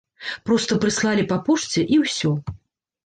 Проста прыслалі па пошце і ўсё.